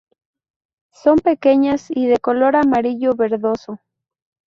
Son pequeñas y de color amarillo- verdoso.